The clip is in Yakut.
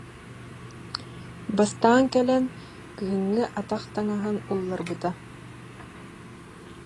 Бастаан кэлээт, кыһыҥҥы атах таҥаһын улларбыта.